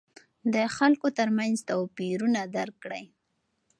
د خلکو ترمنځ توپیرونه درک کړئ.